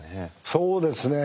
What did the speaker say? そうですね。